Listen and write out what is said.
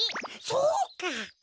そうか！